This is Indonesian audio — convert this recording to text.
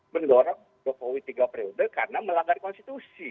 mendorong jokowi tiga periode karena melanggar konstitusi